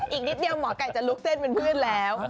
อีกนิดเดียวหมอไก่จะลุกเต้นเป็นเพื่อนแล้ว